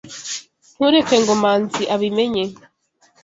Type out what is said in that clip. Ntureke ngo Manzi abimenye.